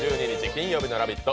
金曜日の「ラヴィット！」